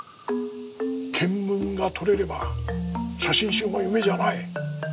ケンムンが撮れれば写真集も夢じゃない。